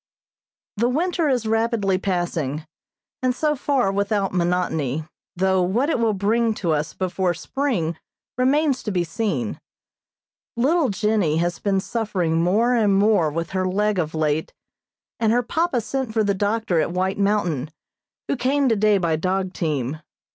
The winter is rapidly passing, and so far without monotony, though what it will bring to us before spring remains to be seen. Little Jennie has been suffering more and more with her leg of late, and her papa sent for the doctor at White Mountain, who came today by dog team.